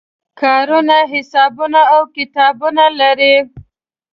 کارونه حسابونه او کتابونه لري.